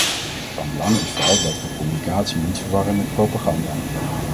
Van belang is vooral dat we communicatie niet verwarren met propaganda.